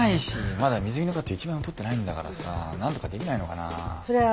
まだ水着のカット１枚も撮ってないんだからさなんとかできないのかなあ？